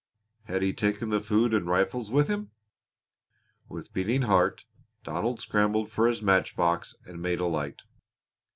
Had he taken the food and rifles with him? With beating heart Donald scrambled for his match box and made a light.